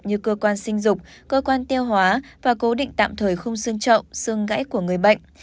như cơ quan sinh dục cơ quan tiêu hóa và cố định tạm thời khung xương trậu xương gãy của người bệnh